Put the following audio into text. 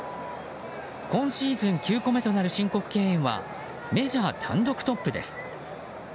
今シーズン９個目となる申告敬遠はメジャー単独トップです。